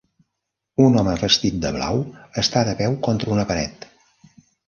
Un home vestit de blau està de peu contra una paret.